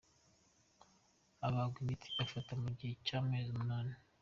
Agabwa imiti afata mu gihe cy’ amezi umunani.